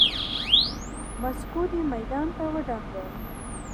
ماسکو دې میدان ته ودانګل.